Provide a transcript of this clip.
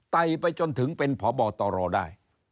ไตไปจนถึงเป็นพบตรได้